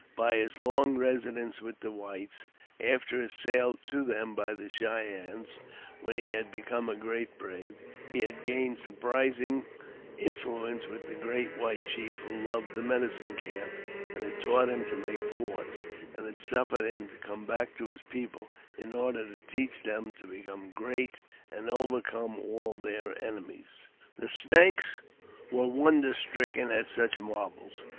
By his long residence with the whites, after his sale to them by the Cheyennes when he had become a great brave, he ha^a gained surprising influence with the great w^hite chief, wh<iJB loved the Medicine Calf, and had taught him to make forts, and had suffered him to come back to his people in order tc teach them to become great, and overcome all their enemies. The Snakes were wonder stricken at such marvels.